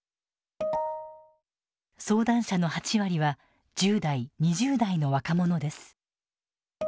相談者の８割は１０代２０代の若者です。